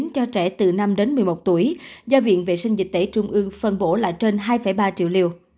cho trẻ từ năm đến một mươi một tuổi do viện vệ sinh dịch tễ trung ương phân bổ lại trên hai ba triệu liều